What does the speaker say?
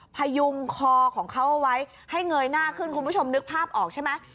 พยุงคอของเขาเอาไว้ให้เงยหน้าขึ้นคุณผู้ชมนึกภาพออกใช่ไหม